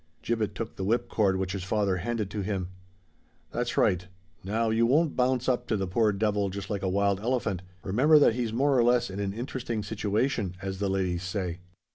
Gibbet took the whip cord which his father handed to him. "That's right. Now you won't bounce up to the poor devil just like a wild elephant: remember that he's more or less in an interesting situation—as the ladies say.